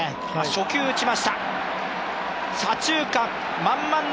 初球打ちました。